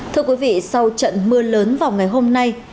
thưa quý vị sau trận mưa lớn vào ngày hôm nay